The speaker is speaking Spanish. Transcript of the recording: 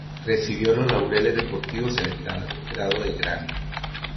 Recibió los Laureles Deportivos en el Grado de Gran